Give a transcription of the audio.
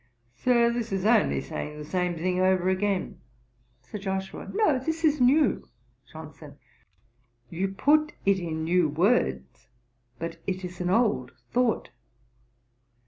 'Sir, this is only saying the same thing over again.' SIR JOSHUA. 'No, this is new.' JOHNSON. 'You put it in new words, but it is an old thought.